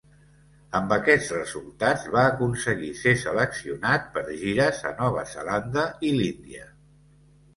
Amb aquests resultats va aconseguir ser seleccionat per gires a Nova Zelanda i l'Índia.